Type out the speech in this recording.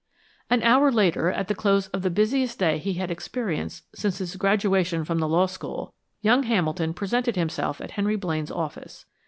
An hour later, at the close of the busiest day he had experienced since his graduation from the law school, young Hamilton presented himself at Henry Blaine's office.